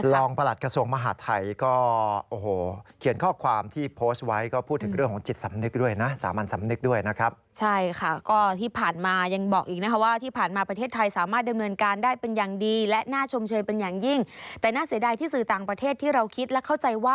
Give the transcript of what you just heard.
ลองประหลัดกระทรวงมหาศิษย์ไทยก็